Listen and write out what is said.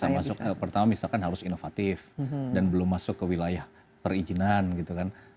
siapa siapa yang bisa masuk pertama misalkan harus inovatif dan belum masuk ke wilayah perizinan gitu kan